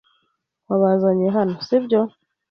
Wabazanye hano, si byo?